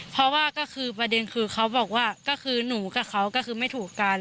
เพราะว่าก็คือประเด็นคือเขาบอกว่าก็คือหนูกับเขาก็คือไม่ถูกกัน